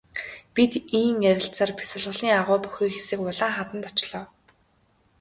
Бид ийн ярилцсаар бясалгалын агуй бүхий хэсэг улаан хаданд очлоо.